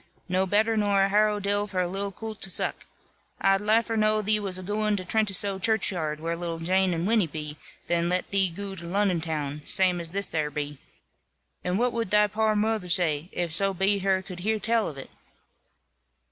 No better nor a harrow dill for a little coolt to zuck. I'd liefer know thee was a gooin' to Trentisoe churchyard, where little Jane and Winny be, than let thee goo to Lonnon town, zame as this here be. And what wud thy poor moother zay, if so be her could hear tell of it?"